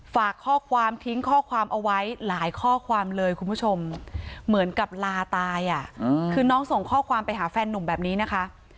ฝากข้อความทิ้งข้อความเอาไว้หลายข้อความเลยคุณผู้ชมเหมือนกับลาตายอ่ะคือน้องส่งข้อความไปหาแฟนนุ่มแบบนี้นะคะ